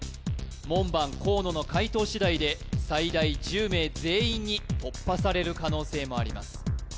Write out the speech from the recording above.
門番河野の解答次第で最大１０名全員に突破される可能性もあります